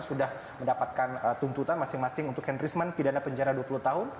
sudah mendapatkan tuntutan masing masing untuk henrisman pidana penjara dua puluh tahun